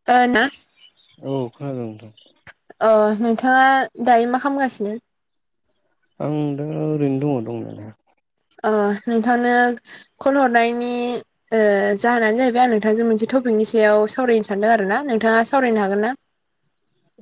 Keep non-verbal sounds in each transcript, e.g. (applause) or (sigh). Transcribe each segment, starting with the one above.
(unintelligible) औ खोनादों नोंथां अ नोंथाङा दायो मा खालामगासिनो आं दा ओरैनो दङ दंनाया अ नोंथांनो कल हरनायनि ओ जाहोनानो जाहैबाय आं नोंथांजों मोनसे टपिकनि सायाव सावरायनो सानदों आरो ना नोंथाङा सावरायनो हागोन ना?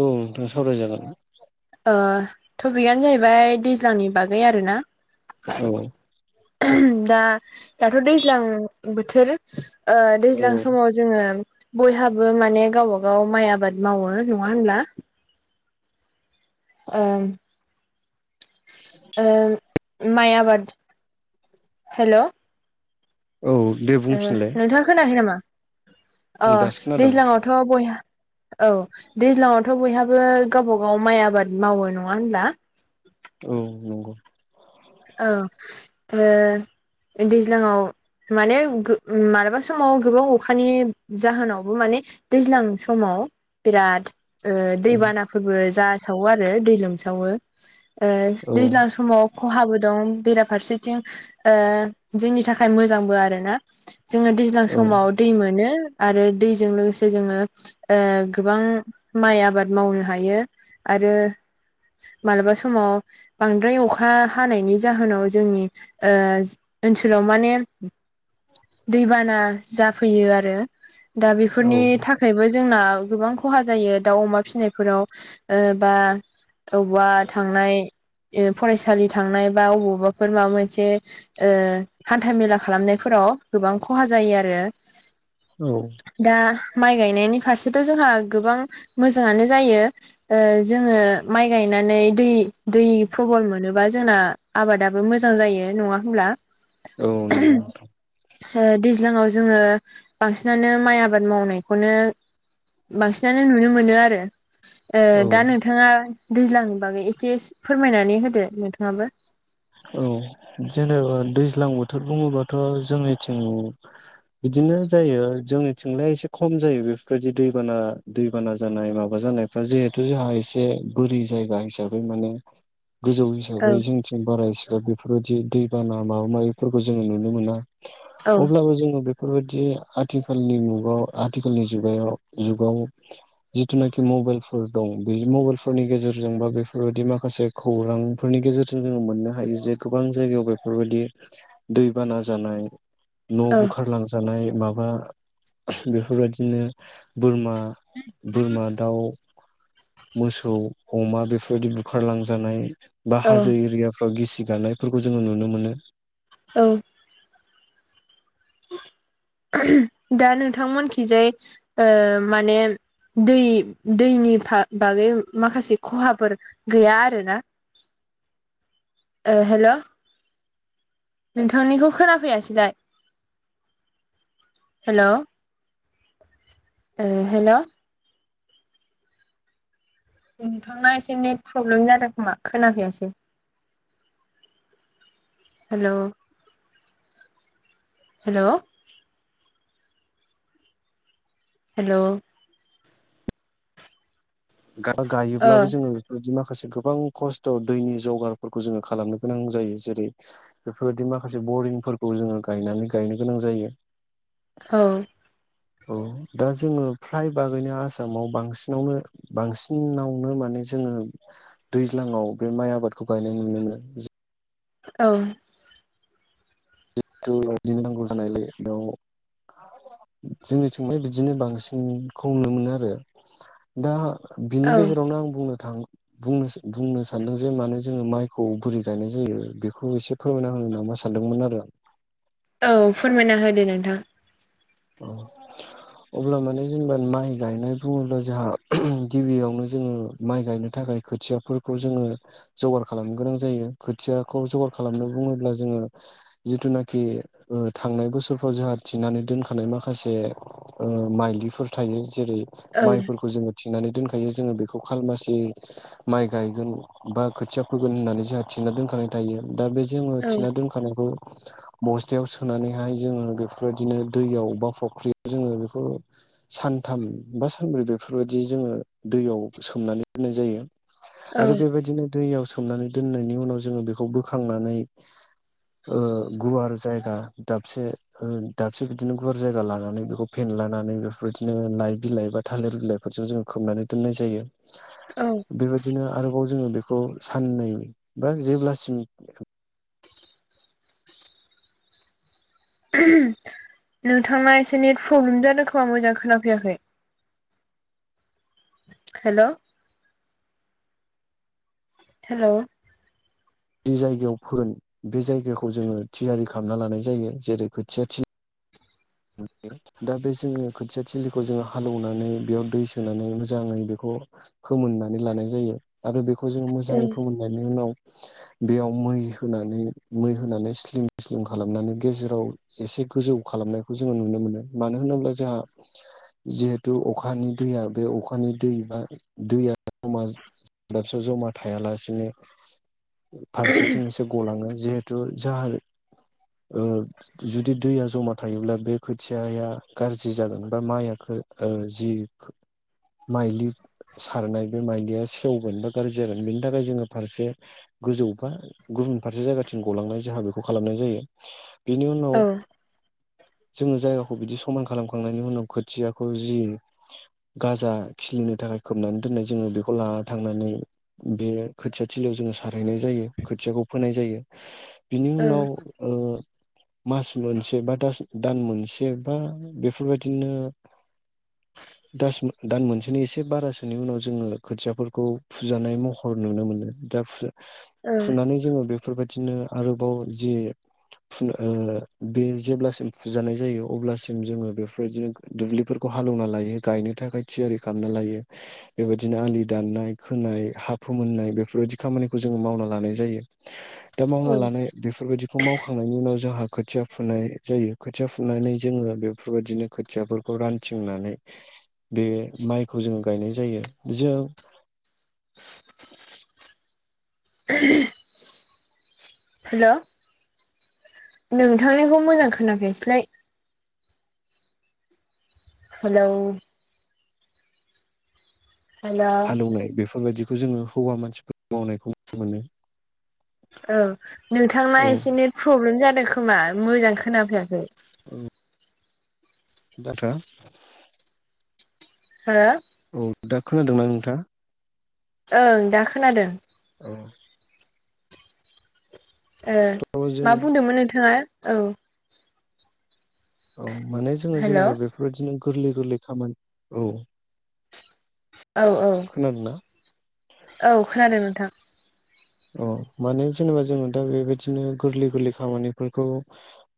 औ नोंथां सावराय जागोन। टपिकआनो जाहैबाय दैज्लांनि बागै आरोना। औ दा दाथ' दैज्लां बोथोर दैज्लां औ समाव जोङो बयहाबो माने गावबा गाव माइ आबाद मावो नङा होनोमब्ला? ओ-ओ माय आबाद हेल' औ दे बुं ओ नोंथाङा खोनायाखै नामा अ औ दासो खोनादों दैज्लाङआवथ' बयहाबो औ दैज्लाङावथ' बयहाबो गावबा गाव माइ आबाद मावो नङा होनब्ला औ नंगौ। औ ओ दैज्लांआव- माने मालाबा समाव गोबां अखानि जाहोनावबो माने दैज्लां समाव बिराद ओ औ दैबानाफोरबो जासावो आरो दै लोमसावो औ दैज्लां समाव खहाबो दं बेराफारसेथिं ओ जोंनि थाखाय मोजांबो आरोना जोङो औ समाव दै मोनो आरो दैजों लोगोसे जोङो ओ गोबां माइ आबाद मावनो हायो। आरो मालाबा समाव बांद्राय अखा हानायनि जाहोनाव जोंनि ओ ओनसोलाव माने दैबाना जाफैयो आरो। दा औ बेफोरनि थाखाय थाखायबो जोंना गोबां खहा जायो दाउ अमा फिसिनायफोराव। ओ बा वबावबा थांनाय फरायसालि थांनाय। बा अबावबाफोर माबा मोनसे ओ हान्था मेला खालामनायफोराव गोबां खहा जायो आरो। औ! दा माइ गायनायनि फारसेथ' जोंहा गोबां मोजाङानो जायो। ओ जोङो माइ गायनानै दै दै प्रबल मोनोबा जोंना आबादाबो मोजां जायो। नङा होमब्ला? औ नंगौ नोंथां। ओ दैज्लाङाव जोङो बांसिनानो माइ आबाद मावनायखौनो बांसिनानो नुनो मोनो आरो। ओ औ दा नोंथाङा दैज्लांनि बागै एसे फोरमायनानै होदो नोंथाङाबो। औ जेनेबा दैज्लां बोथोर बुङोबाथ जोंनिथिं बिदिनो जायो जोंनिथिंलाय एसे खम जायो। बेफोरबायदि दैबाना दैबाना जानाय माबा जानाया। दा जिहेथु जोंहा एसे बोरि जायगा हिसाबै माने गोजौ औ हिसाबै जोंथिं बारा हसेबां बेफोरबायदि दैबाना माबा माबिफोरखौ जोङो नुनो मोना। औ अब्लाबो जोङो बे बेफोरबायदि आथिखालनि मुगाव आथिखालनि जुगायाव जुगाव जिथुनाखि मबाइलफोर दं बे मबाइलफोरनि गेजेरजों बा बेफोरबायाददि माखासे खौरांफोरनि गेजेरजों जोङो मोननो हायो। जे गोबां जायगायाव बेफोरबायदि दैबाना जानाय न' औ बुखारलांजानाय माबा बेफोरबायदिनो बोरमा बोरमा, दाउ मोसौ, अमा बेफोरबायदि बुखारलांजानाय बा औ हाजो एरिया गिसि गानायफोरखौ जोङो नुनो मोनो। औ! दा नोंथांमोनखिजाय ओ माने दै दैनि बागै माखासे खहाफोर गैया आरोना? ओ हेल' नोंथांनिखौ खोनाफैयासैलाय। हेल' ओ हेल' नोंथांना एसे नेट प्रब्लेम जादों खोमा खोनाफैयासै। हेल' हेल' हेल' औ गायोब्लाबो जोङो बिदि माखासे गोबां खस्थ' दैनि जगारफोरखौ जोङो खालामनो गोनां जायो। जेरै बेफोरबायदि माखासे बरिंफोरखौ जोङो गायनानै गायनो गोनां जायो। औ औ दा जोङो फ्राय बागैनो आसामाव बांसिनावनो बांसिनावनो माने जोङो दैज्लाङाव बे माइ आबादखौ गायनाय नुनो मोनो। औ! जिथुदिनो (unintelligible) नांगौ जानायलाय बेयाव जोंनिथिंहाय बिदिनो बांसिनखौ नुनो मोनो आरो‌। दा बिनि औ गेजेरावनो आं बुंनो थां बुंनो बुंनो सानदों जे मानोे जोङो माइखौ बोरै गायनाय जायो बेखौ एसे फोरमायना होनो नामा सानदोंमोन आरो आं। औ फोरमायना होदो नोंथां। औ अब्ला माने जेनेबा माइ गायनाय बुङोब्ला जोंहा गिबियावनो जोङो माइ गायनो थाखाय खोथियाफोरखौ जोङो जगार खालामनो गोनां जायो खोथियाखौ जगार खालामनो बुङोब्ला जोङो जिथुनाखि ओ थांनाय बोसोरफ्राव जोंहा थिनानै दोनखा माखासे ओ माइलिफोर थायो जेरै औ माइफोरखौ जोङो थिंनानै दोनखायो जोङो बेखौ खालमासि माइ गायगोन बा खोथिया फोगोन होननानै जोंहा थिना दोनखानाय थायो। दा बे जोङो औ थिना दोनखानायखौ बस्थायाव सोनानैहाय जोङो बेफोरबायदिनो दैयाव बा फुख्रियाव जोङो बेखौ सानथाम बा सानब्रै बेफोरबायदि जोङो दैयाव सोमनानै दोनाय जायो। औ आरो बेबायदिनो दैयाव सोमनानै दोननायनि उनाव जोङो बेखौ बोखांनानै ओ गुवार जायगा दाबसे हो दाब बिसोर बिदिनो गुुवार जायगा लानानै बेखौ फेनलानानै बेफोर बायदिनो लाइ बिलाइ बा थालिर बिलाइ फोरजों जोङो खोमनानै दोननाय जायो। औ बेबायदिनो आरोबाव जोङो बेखौ साननै बा जेब्लासिम नोंथांना एसे नेट प्रब्लेम जादों खोमा मोजां खोनाफैयाखै। हेल' हेल' जि जायगायाव फोगोन बे जायगाखौ जोङो थियारि खालामना लानाय जायो जेरै खोथिया थिल (unintelligible) दा बे जोङो खोथिया थिलिखौ जोङो हालौवनानै बेयाव दै सोनानै मोजाङै बेखौ फोमोननानै लानाय जायो आरो बेखौ जोङो मोजाङै फोमोनलांनायनि उनाव बेयाव मै होनानै मै होनानै स्लिम स्लिम खालामनानै गेजेराव एसे गोजौ खालामनायखौ जोङो नुनो मोनो मानो होनोब्ला जोंहा जिहेतु अखानि दैया बे अखानि दै बा दैया जमा दाबसेयाव जमा थायालासिनो (inaudible) फारसेथिं एसे गलाङो जिहेथु जाहा ओ जुदि दैया जमा थ थायोब्ला बे खोथियाया गाज्रि जागोन बा माइआ खो ओ जि माइज्लि सारनाय बे माइज्लिया सेवगोन बा गाज्रि जागोन बेनि थाखाय जोङो फारसे गोजौ बा गुबुन फारसे जायगाथिं गलांनाय जोंहा बेखौ खालामनाय जायो बेनि उनाव औ जोङो जायगाखौ बिदि समान खालामखांनायनि उनाव खोथियाखौ जि गाजा खिलिनो थाखाय खोबनानै दोननाय जोङो बेखौ लाना थांनानै बे खोथिया थिलियाव जोङो सारहैनाय जायो खोथियाखौ फोनाय जायो। बिनि औ उनाव ओ मास मोनसे बा दास दान मोनसे बा बेफोरबायदिनो दास दान मोनसेनि एसे बारासोनि उनाव जोङो खोथियाफोरखौ फुजानाय महर नुनो मोनो दा फु औ फुनानै जोङो बेफोरबायदिनो आरोबाव जि ओ बे जेब्लासिम फुजानाय जायो अब्लासिम जोङो बेफोरबायदिनो दुब्लिफोरखौ हालौना लायो गायनो थाखाय थियारि खालामना लायो। बेबायदिनो आलि दाननाय खोनाय हा फोमोननाय बेफोरबायदि खामानिखौ जोङो मावना लानाय जायो। दा औ मावना लानाय बेफोरबायदिखौ मावखांनायनि उनाव जोंहा खोथिया फुनाय जायो। खोथिया फुनानै जोङो बेफोरबायदिनो खोथियाफोरखौ रानथिंनानै बे माइखौ जोङो गायनाय जायो। जों हेल' नोंथांनिखौ मोजां खोनाफैयासैलाय। हेलौ हेलौ हालेवनाय बेफोरबायदिखौ जोङो हौवा मानसिफोर मावनायखौ नुनो मोनो। औ नोंथां औ एसे नेट प्रब्लेम जादों खोमा मोजां खोनाफैयाखै। औ दाथा हो? औ दा खोनादोंना नोंथां? ओं दा खोनादों। औ ओ थ' जों मा बुंदोंमोन नोंथाङा? औ औ माने जोङो हेलौ जेनेबा बेफोरबायदिनो गोरलै गोरलै खामानि औ औ औ खोनादोंना औ खोनादों नोंथां। अ माने जेनेबा जोङो दा बेबायदिनो गोरलै गोरलै खामानिफोरखौ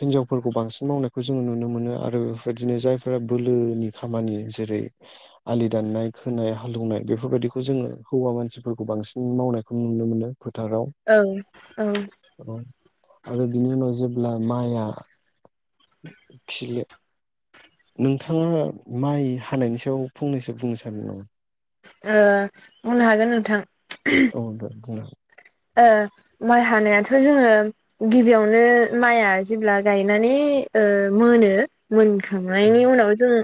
हिनजावफोरखौ बांसिन मावनायखौ जोङो नुनो मोनो आरो बेफोरबायदिनो जायफोरा बोलोनि खामानि जेरै आलि दाननाय खोनाय हालौनाय बेफोरबायदिखौ जोङो हौवा मानसिफोरखौ बांसिन मावनायखौ नुनो मोनो। फोथाराव ओं ओं आरो बिनि उनाव जेब्ला माइआ खिलि नोंथाङा माइ हानायनि सायाव फंनैसो बुंनो सानो नामा? ओ बुंनो हागोन नोंथां। औ दे बुंना हो ओ माइ हानायाथ' जोङो गिबियावनो माइआ जेब्ला गायनानै ओ मोनो। मोनखांनायनि उनाव जोङो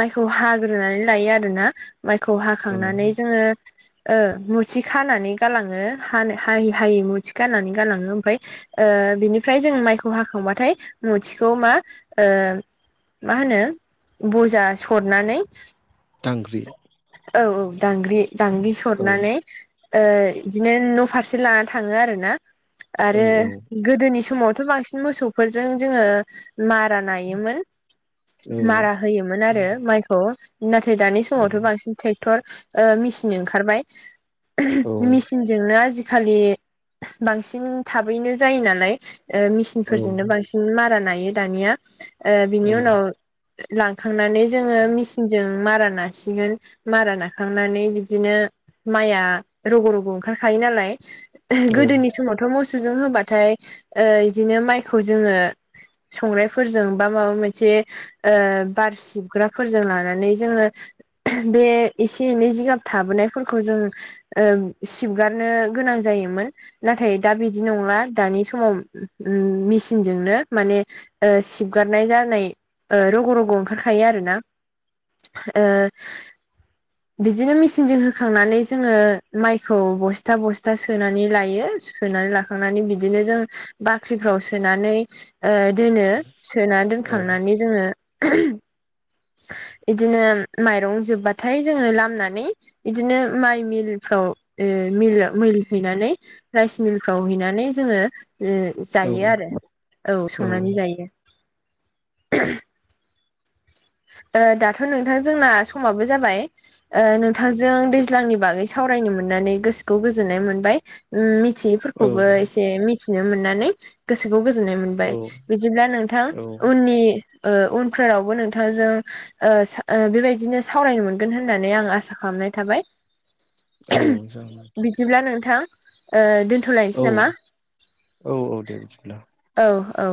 माइखौ हाग्रोनानै लायो आरोना माइखौ औ हाखांनानै जोङो ओ मुथि खानानै गालाङो हानो हायि हायि मुथि खानानै गालाङो ओमफाय ओ बिनिफ्राय जों माइखौ हाखांबाथाय मुथिखौ मा ओ मा होनो बजा सरनानै दांग्रि औ औ। दांग्रि दांग्रि औ सरनानै बिदिनो न' फारसे लाना थाङो आरोना औ आरो औ गोदोनि समावथ' बांसिन मोसौफोरजों जोङो मारा नायोमोन। औ मारा होयोमोन आरो माइखौ। नाथाय दानि समावथ' बांसिन ट्रेक्टर मेचिन ओंखारबाय। औ मेसिनजोंनो आजिखालि बांसिन थाबैनो जायो नालाय। औ मेसिनफोरजोंनो बांसिन मारा नायायो दानिया। औ बिनि उनाव लांखांनानै जोङो मि सिनजों मारा नासिगोन। मारा नाखांनानै बिदिनो माइआ रग' रग' ओंखारखायो नालाय। गोदोनि समावथ' मोसौ जों होबाथाय बिदिनो माइखौ जोङो संनायफोरजों बा माबा मोनसे बार सिबग्राफोरजों लानानै जोङो बे एसे एनै जिगाब थाबोनायफोरखौ जों सिबगारनो गोनां जायोमोन। नाथाय दा बिदि नंला। दानि समाव मेसिनजोंनो माने सिबगारनाय जानाय ओ रग' रग' ओंखारखायो आरोना। ओ बिदिनो मेसिनजों होखांनानै जोङो माइखौ बस्था बस्था सोनानै लायो। सोनानै लाखांनानै बिदिनो जों बाख्रिफ्राव सोनानै ओ दोनो सोना दोनखांनानै जोङो बिदिनो माइरं जोबबाथाय जोङो लामनानै एदिनो माइ मिलफ्राव मिल ओ मिल हैनानै राइस मिलफ्राव हैनानै जोङो ओ औ जायो आरो। औ संनानै जायो। ओ दाथ' नोंथां जोंना समाबो जाबाय। ओ नोंथांजों दैज्लांनि बागै सावरायनो मोननानै गोसोखौ गोजोननाय मोनबाय। ओम मिथियैफोरखौबो एसे मिथिनो मोननानै गोसोखौ गोजोननाय मोनबाय औ बिदिब्ला नोंथां औ औ उननि ओ उनफोरावबो नोंथां नोंथां जों ओ-ओ बेबायदिनो सावरायनो मोनगोन होननानै आं आसा खालामनाय थाबाय। औ जागोन बिदिब्ला नोंथां ओ दोनथ'लायनोसै औ नामा। औ औ दे बिदिब्ला औ औ।